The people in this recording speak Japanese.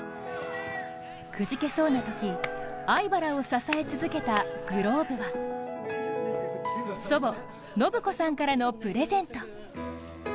くじけそうなとき、粟飯原を支え続けたグローブがは祖母・信子さんからのプレゼント。